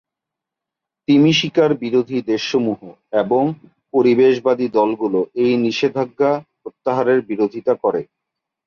তিমি-শিকার বিরোধী দেশসমূহ এবং পরিবেশবাদী দলগুলো এই নিষেধাজ্ঞা প্রত্যাহারের বিরোধিতা করে।